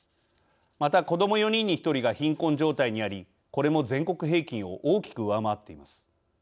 また子ども４人に１人が貧困状態にありこれも全国平均を大きく上回っています。